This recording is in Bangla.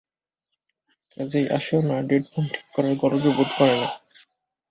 কাজেই আসেও না, ডেড ফোন ঠিক করার গরজও বোধ করে না।